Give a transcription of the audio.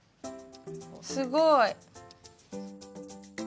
すごい。